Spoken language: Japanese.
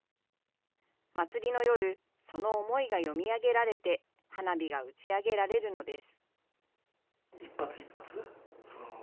祭りの夜、その思いが読み上げられて、花火が打ち上げられるのです。